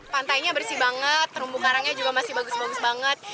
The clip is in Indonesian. pantainya bersih banget terumbu karangnya juga masih bagus bagus banget